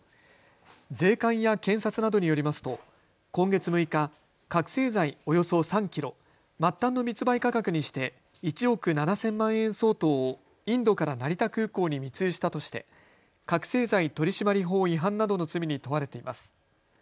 税関や検察などによりますと今月６日、覚醒剤およそ３キロ、末端の密売価格にして１億７０００万円相当をインドから成田空港に密輸したとして覚醒剤取締法違反などの罪に問われています。